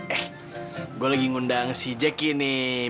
eh gua lagi ngundang si jackie nih